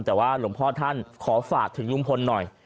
แต่ว่าหลวงพ่อท่านขอฝากถึงลุงพลหน่อย